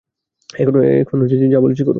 এখন যা বলেছি করো।